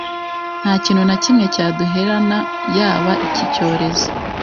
nta kintu na kimwe cya duherana yaba iki cyorezo